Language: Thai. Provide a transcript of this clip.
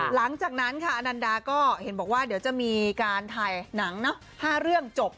หลังจากนั้นค่ะอนันดาก็เห็นบอกว่าเดี๋ยวจะมีการถ่ายหนัง๕เรื่องจบ